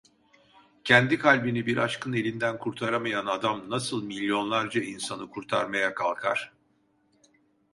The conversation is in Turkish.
Kendi kalbini bir aşkın elinden kurtaramayan adam nasıl milyonlarca insanı kurtarmaya kalkar?